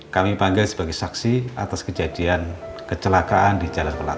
kami panggil sebagai saksi atas kejadian kecelakaan di jalan pelat